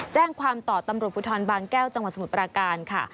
แจ้งความต่อตำรวจภูทรบางแก้วจังหวัดสมุทรปราการค่ะ